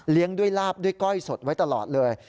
ด้วยลาบด้วยก้อยสดไว้ตลอดเลย